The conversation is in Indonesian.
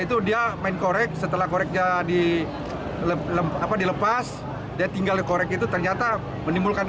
itu dia main korek setelah korek jadi lem apa dilepas dan tinggal korek itu ternyata menimbulkan